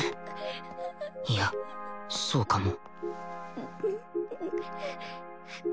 いやそうかも